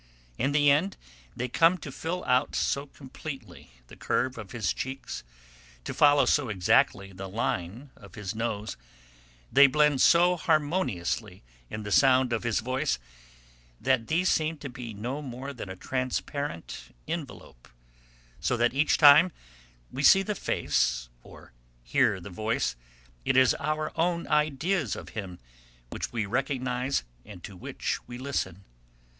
In the end they come to fill out so completely the curve of his cheeks, to follow so exactly the line of his nose, they blend so harmoniously in the sound of his voice that these seem to be no more than a transparent envelope, so that each time we see the face or hear the voice it is our own ideas of him which we recognise and to which we listen.